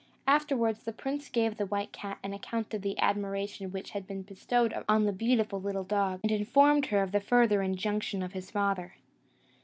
Afterwards the prince gave the white cat an account of the admiration which had been bestowed on the beautiful little dog, and informed her of the further injunction of his father.